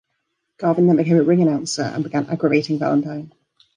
Garvin then became a ring announcer, and began aggravating Valentine.